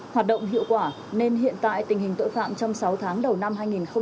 hoạt động hiệu quả nên hiện tại tình hình tội phạm trong sáu tháng đầu năm hai nghìn hai mươi ba